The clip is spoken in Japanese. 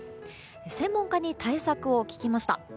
専門家に対策を聞きました。